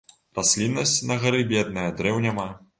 Расліннасць на гары бедная, дрэў няма.